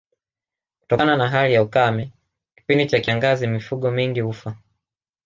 Kutokana na hali ya ukame kipindi cha kiangazi mifugo mingi hufa